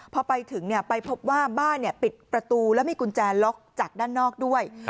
พอไปถึงไปพบว่าบ้านปิดประตูแล้วมีกุญแจล็อกจากด้านนอกด้วย